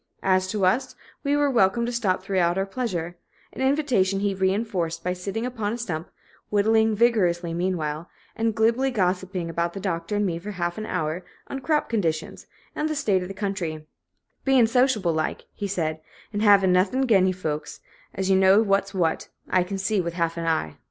As to us, we were welcome to stop throughout our pleasure, an invitation he reinforced by sitting upon a stump, whittling vigorously meanwhile, and glibly gossiping with the Doctor and me for a half hour, on crop conditions and the state of the country "bein' sociable like," he said, "an' hav'n' nuth'n 'gin you folks, as knows what's what, I kin see with half a eye!"